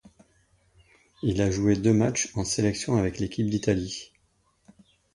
Il a joué deux matchs en sélection avec l'équipe d'Italie.